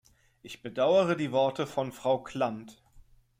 Ich bedauere die Worte von Frau Klamt.